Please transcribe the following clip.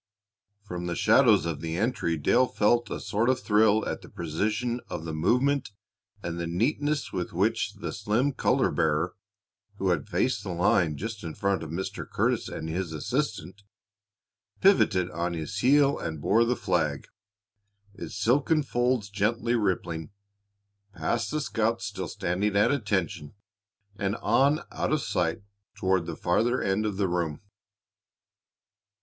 From the shadows of the entry Dale felt a sort of thrill at the precision of the movement and the neatness with which the slim color bearer, who had faced the line just in front of Mr. Curtis and his assistant, pivoted on his heel and bore the flag, its silken folds gently rippling, past the scouts still standing at attention and on out of sight toward the farther end of the room.